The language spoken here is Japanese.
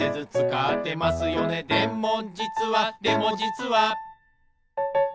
「でもじつはでもじつは」